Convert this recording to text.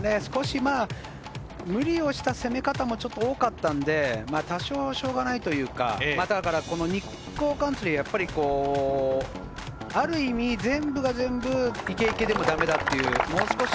無理をした攻め方も多かったので、多少しょうがないというか、日光カンツリーは、ある意味、全部が全部イケイケでもダメだっていう。